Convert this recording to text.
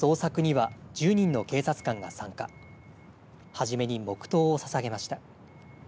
はじめに黙とうをささげました。